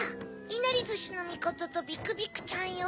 いなりずしのみこととビクビクちゃんよ。